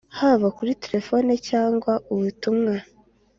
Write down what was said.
haba kuri telefone cyangwa ubutumwa